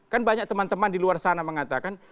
kan banyak teman teman di luar sana mengatakan